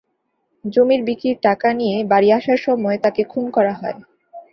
জমি বিক্রির টাকা নিয়ে বাড়ি আসার সময় তাঁকে খুন করা হয়।